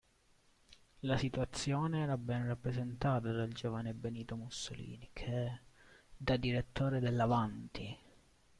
La situazione era ben rappresentata dal giovane Benito Mussolini che, da direttore dell’"Avanti!